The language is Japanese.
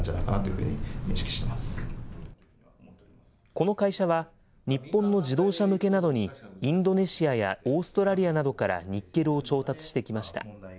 この会社は、日本の自動車向けなどに、インドネシアやオーストラリアなどからニッケルを調達してきました。